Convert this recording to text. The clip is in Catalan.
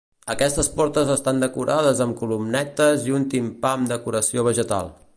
Aquestes portes estan decorades amb columnetes i un timpà amb decoració vegetal.